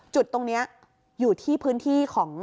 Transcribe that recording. จุดตรงนี้อยู่ที่พื้นที่ของ